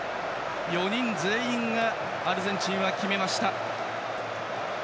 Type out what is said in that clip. ４人全員がアルゼンチンは決めました。